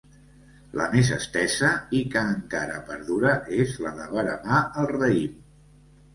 La més estesa, i que encara perdura, és la de veremar el raïm.